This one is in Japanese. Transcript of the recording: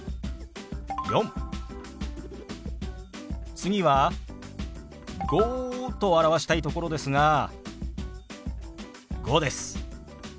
次は「５」と表したいところですが「５」です。